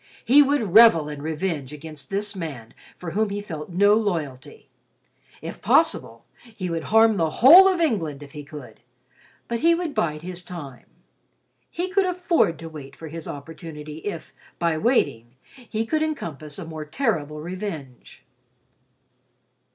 He would revel in revenge against this man for whom he felt no loyalty. If possible, he would harm the whole of England if he could, but he would bide his time. He could afford to wait for his opportunity if, by waiting, he could encompass a more terrible revenge.